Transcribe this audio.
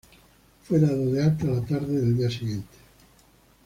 Fue dado de alta la tarde del día siguiente.